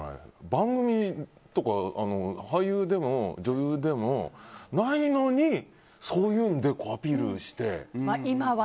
番組とか俳優でも女優でもないのにそういうのアピールしてやるっていう。